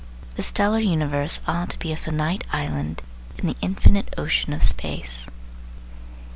The stellar universe ought to be a finite island in the infinite ocean of space.